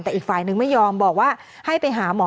แต่อีกฝ่ายนึงไม่ยอมบอกว่าให้ไปหาหมอ